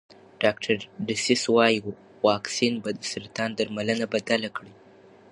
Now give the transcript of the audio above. ډاکټر ډسیس وايي واکسین به د سرطان درملنه بدله کړي.